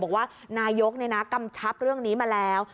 บอกว่านายกกำชับเรื่องนี้มาแล้ว